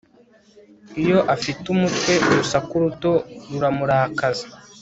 iyo afite umutwe, urusaku ruto ruramurakaza